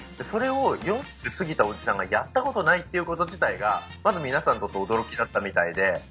それを４０過ぎたおじさんがやったことないっていうこと自体がまず皆さんにとって驚きだったみたいで。